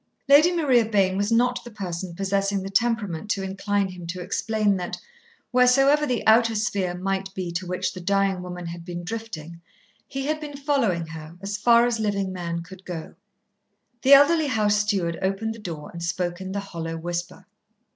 Lady Maria Bayne was not the person possessing the temperament to incline him to explain that, wheresoever the outer sphere might be to which the dying woman had been drifting, he had been following her, as far as living man could go. The elderly house steward opened the door and spoke in the hollow whisper.